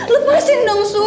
lepasin dong su